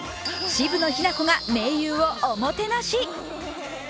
渋野日向子が盟友をおもてなし。